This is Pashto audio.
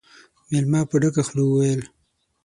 مېلمه په ډکه خوله وويل: